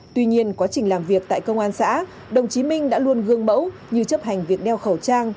tuy nhiên quá trình làm việc tại công an xã đồng chí minh đã luôn gương mẫu như chấp hành việc đeo khẩu trang